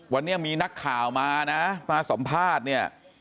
วันนี้มีนักข่าวมานะมาสัมภาษณ์เนี่ย